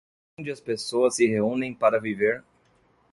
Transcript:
Onde as pessoas se reúnem para viver